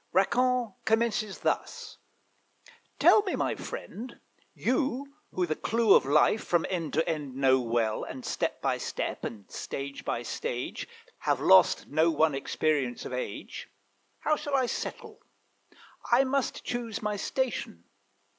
Racan commences thus, "Tell me, my friend, You, who the clue of life, from end to end, Know well, and step by step, and stage by stage, Have lost no one experience of age; How shall I settle? I must choose my station.